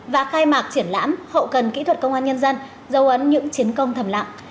và khai mạc triển lãm hậu cần kỹ thuật công an nhân dân dấu ấn những chiến công thầm lặng